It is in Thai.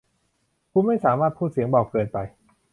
คุณไม่สามารถพูดเสียงเบาเกินไป